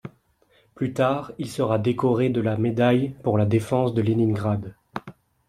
Plus tard, il sera décoré de la médaille pour la Défense de Léningrad.